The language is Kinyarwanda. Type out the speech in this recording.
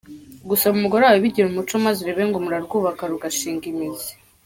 Gusoma umugore wawe bigire umuco maze urebe ngo murarwubaka rugashinga imizi.